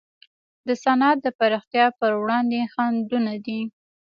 د صنعت د پراختیا پر وړاندې خنډونه دي.